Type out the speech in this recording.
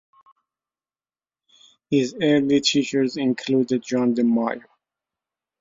His early teachers included John DeMaio.